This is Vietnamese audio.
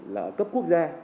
là cấp quốc gia